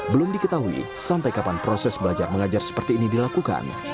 belum diketahui sampai kapan proses belajar mengajar seperti ini dilakukan